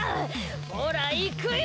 ほら、行くよ！